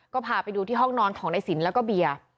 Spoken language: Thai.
ก็พาไปดูที่ห้องนอนของนายสินแล้วก็เบียร์